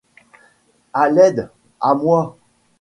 À l’aide! à moi !